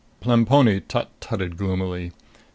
Plemponi tut tutted gloomily.